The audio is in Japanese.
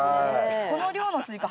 この量のスイカ